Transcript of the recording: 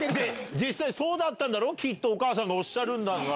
実際、そうだったんだろ、きっと、お母さんがおっしゃるんだから。